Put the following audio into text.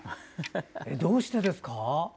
どうしてですか？